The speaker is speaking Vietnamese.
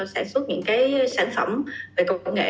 sản xuất những sản phẩm về công nghệ